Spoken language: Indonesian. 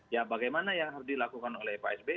ya bagaimana yang harus dilakukan oleh pak sby